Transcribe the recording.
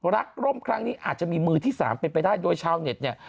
ร่มครั้งนี้อาจจะมีมือที่สามเป็นไปได้โดยชาวเน็ตเนี่ย